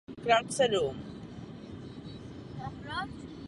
Co vám to vzadu visí?